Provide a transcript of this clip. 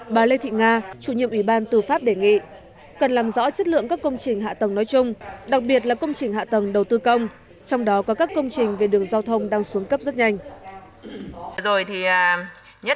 bà lê thị nga chủ nhiệm ủy ban tư pháp đề nghị cần làm rõ chất lượng các công trình hạ tầng nói chung đặc biệt là công trình hạ tầng đầu tư công trong đó có các công trình về đường giao thông đang xuống cấp rất nhanh